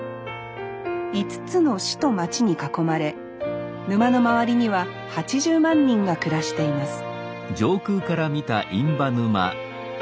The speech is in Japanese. ５つの市と町に囲まれ沼の周りには８０万人が暮らしています